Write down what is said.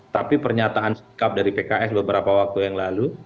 tapi pernyataan sikap dari pks beberapa waktu yang lalu